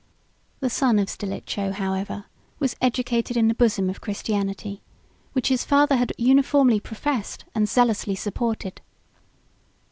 The son of Stilicho, however, was educated in the bosom of Christianity, which his father had uniformly professed, and zealously supported.